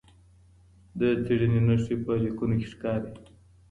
د څېړني نښې په لیکنو کي ښکاري.